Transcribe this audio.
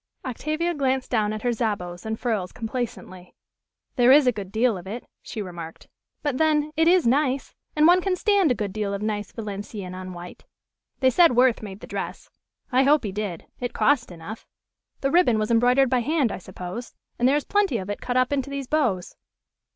Octavia glanced down at her jabots and frills complacently. "There is a good deal of it," she remarked; "but then, it is nice, and one can stand a good deal of nice Valenciennes on white. They said Worth made the dress. I hope he did. It cost enough. The ribbon was embroidered by hand, I suppose. And there is plenty of it cut up into these bows."